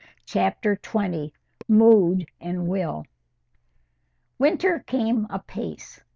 CHAPTER XX. MOOD AND WILL. Winter came apace.